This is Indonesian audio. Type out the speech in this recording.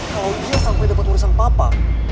kalau dia sampai dapat urusan papa